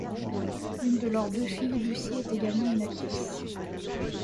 Une de leurs deux filles, Lucy, est également une actrice.